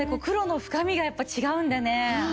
黒の深みがやっぱ違うんでね。